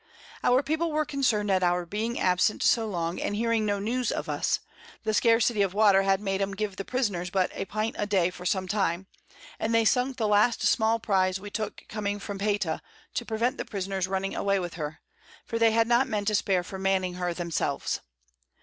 Our People were concern'd at our being absent so long, and hearing no News of us, the Scarcity of Water had made 'em give the Prisoners but a Pint a Day for some time; and they sunk the last small Prize we took coming from Payta, to prevent the Prisoners running away with her, for they had not Men to spare for manning her themselves.